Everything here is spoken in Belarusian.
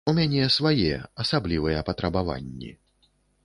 У мяне свае, асаблівыя патрабаванні.